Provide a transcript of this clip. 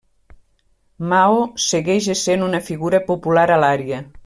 Mao segueix essent una figura popular a l'àrea.